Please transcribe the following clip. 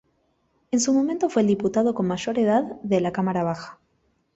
En su momento fue el diputado con mayor edad de la cámara baja.